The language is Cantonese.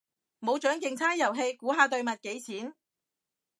冇獎競猜遊戲，估下對襪幾錢？